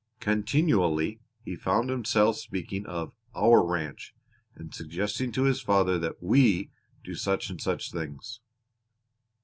Continually he found himself speaking of "our ranch" and suggesting to his father that "we" do such and such things.